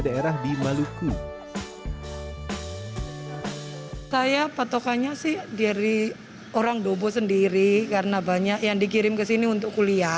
daerah di maluku saya patokannya sih dari orang dobo sendiri karena banyak yang dikirim ke sini untuk kuliah